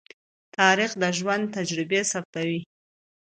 تاریخ د ژوند تجربې ثبتوي.